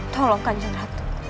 tolong kanjeng ratu